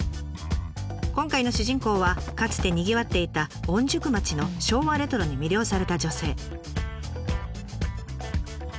今回の主人公はかつてにぎわっていた御宿町の昭和レトロに魅了された女性。